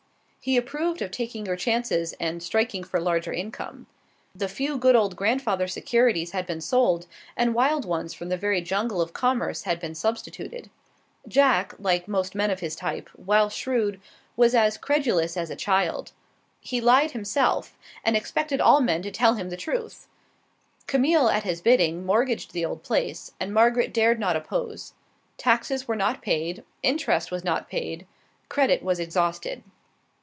He approved of taking your chances and striking for larger income. The few good old grandfather securities had been sold, and wild ones from the very jungle of commerce had been substituted. Jack, like most of his type, while shrewd, was as credulous as a child. He lied himself, and expected all men to tell him the truth. Camille at his bidding mortgaged the old place, and Margaret dared not oppose. Taxes were not paid; interest was not paid; credit was exhausted.